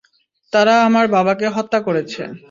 তারা আমার বাবাকে হত্যা করেছে।